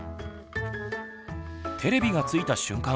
テレビがついた瞬間